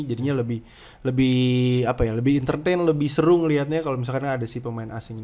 jadinya lebih lebih apa ya lebih entertain lebih seru ngelihatnya kalau misalkan ada si pemain asing